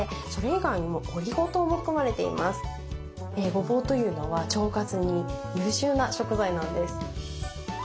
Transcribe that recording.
ごぼうというのは腸活に優秀な食材なんです。